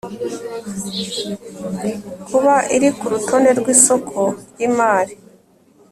Kuba iri ku rutonde rw isoko ry imari